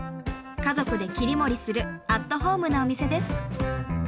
家族で切り盛りするアットホームなお店です。